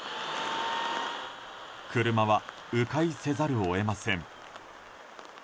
車は、迂回せざるを得ません。